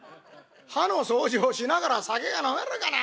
歯の掃除をしながら酒が飲めるか。